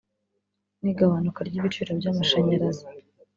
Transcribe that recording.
ni igabanuka ry’ibiciro by’amashanyarazi